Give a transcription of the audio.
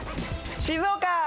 静岡！